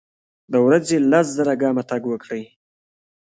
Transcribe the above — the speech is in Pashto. د ورځي لس زره ګامه تګ وکړئ.